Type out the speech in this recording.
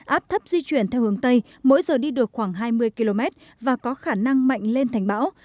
áp thấp di chuyển theo hướng tây mỗi giờ đi được khoảng hai mươi km và có khả năng mạnh lên thành bão